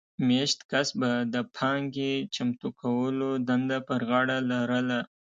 مېشت کس به د پانګې چمتو کولو دنده پر غاړه لرله